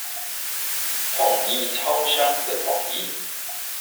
統一超商的統一